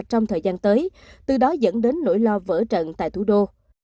trong thời gian tới từ đó dẫn đến nỗi lo vỡ trận tại thủ đô